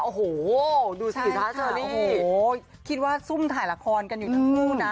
โอ้โหดูสิคะเชอรี่คิดว่าซุ่มถ่ายละครกันอยู่ทั้งคู่นะ